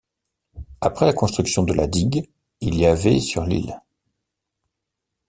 Après la construction de la digue, il y avait sur l'île.